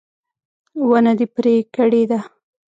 ونه دې پرې کړې ده